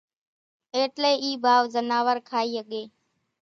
ايٽلي اِي ڀائو زناور کائي ۿڳي